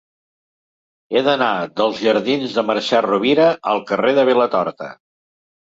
He d'anar dels jardins de Mercè Rovira al carrer de Vilatorta.